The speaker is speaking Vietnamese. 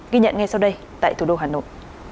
ghi nhận ngay sau đây tại thủ đô hà nội